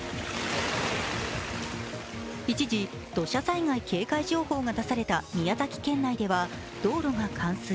一時、土砂災害警戒情報が出された宮崎県内では道路が冠水。